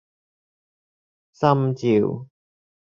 心照